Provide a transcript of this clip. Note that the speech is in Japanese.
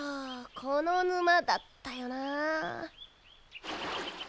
このぬまだったよな。